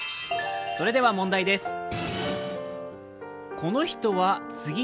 それでは問題です。